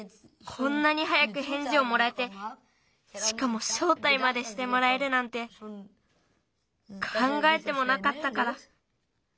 こんなに早くへんじをもらえてしかもしょうたいまでしてもらえるなんてかんがえてもなかったから。